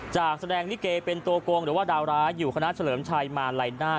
จากแสดงลิเกเป็นตัวโกงหรือว่าดาวร้ายอยู่คณะเฉลิมชัยมาลัยน่า